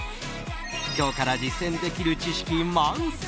今日から実践できる知識満載！